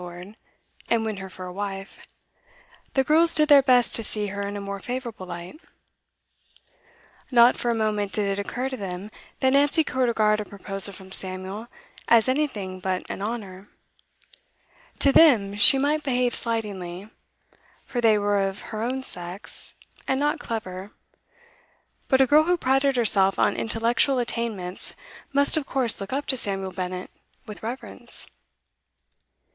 Lord and win her for a wife, the girls did their best to see her in a more favourable light. Not for a moment did it occur to them that Nancy could regard a proposal from Samuel as anything but an honour; to them she might behave slightingly, for they were of her own sex, and not clever; but a girl who prided herself on intellectual attainments must of course look up to Samuel Bennett with reverence.